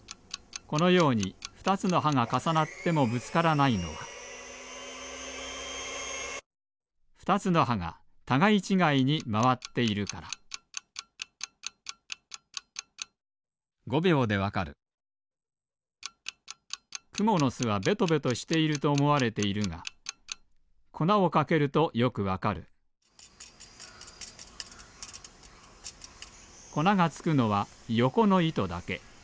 このように２つのはがかさなってもぶつからないのは２つのはがたがいちがいにまわっているからくものすはベトベトしているとおもわれているがこなをかけるとよくわかるこながつくのはよこのいとだけ。